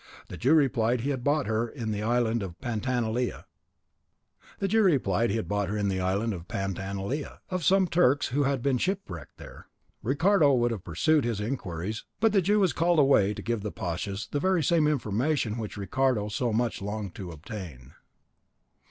The Jew replied that he had bought her in the island of Pantanalea, of some Turks who had been shipwrecked there. Ricardo would have pursued his inquiries, but the Jew was called away to give the pashas the very same information which Ricardo so much longed to obtain.